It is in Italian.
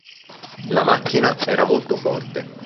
La macchina era molto forte.